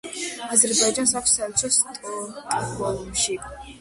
აზერბაიჯანს აქვს საელჩო სტოკჰოლმში.